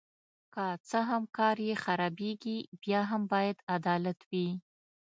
که څه هم کار یې خرابیږي بیا هم باید عدالت وي.